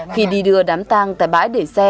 khi đi đưa đám tăng tại bãi để xe